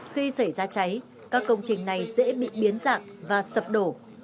khi xảy ra cháy các công trình này dễ bị biến dạng và sập đổ